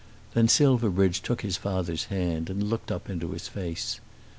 Then Silverbridge took his father's hand, and looked up in his face.